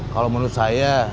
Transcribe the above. kalau menurut saya